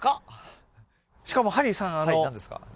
しかもハリーさんはい何ですか？